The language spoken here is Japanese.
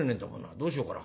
どうしようかな。